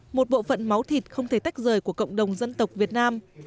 hậu phận máu thịt không thể tách rời của cộng đồng dân tộc việt nam